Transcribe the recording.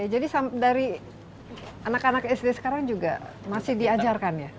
jadi dari anak anak sd sekarang juga masih diajarkan ya